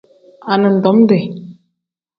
Anidomiti.